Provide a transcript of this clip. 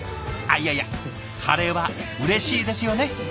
いやいやカレーはうれしいですよね。